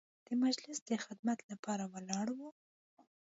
د مجلس د خدمت لپاره ولاړ وو.